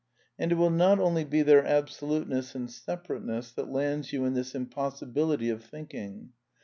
And it will not only be their absoluteness and separate ness that lands you in this impossibility of thinking.